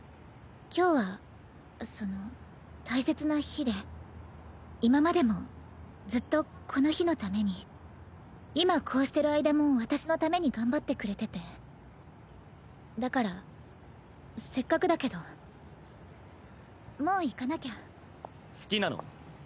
今日はその大切な日で今までもずっとこの日のために今こうしてる間も私のために頑張ってくれててだからせっかくだけどもう行かなきゃ好きなの？